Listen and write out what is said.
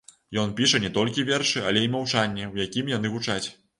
Ён піша не толькі вершы, але і маўчанне, у якім яны гучаць.